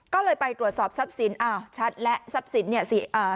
ก็เลยไปตรวจสอบทรัพย์สินอ้าวชัดแล้วทรัพย์สินเนี่ยสิอ่า